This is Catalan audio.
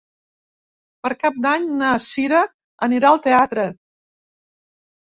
Per Cap d'Any na Cira anirà al teatre.